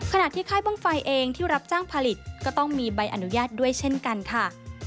ที่ค่ายบ้างไฟเองที่รับจ้างผลิตก็ต้องมีใบอนุญาตด้วยเช่นกันค่ะ